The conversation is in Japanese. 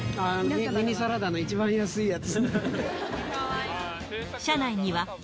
ミニサラダの一番安いやつ。